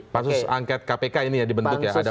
pansus angket kpk ini ya dibentuk ya ada empat poin ya